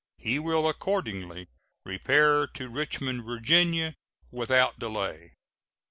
He will accordingly repair to Richmond, Va., without delay.